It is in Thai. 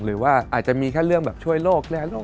หรือว่าอาจจะมีแค่เรื่องแบบช่วยโลก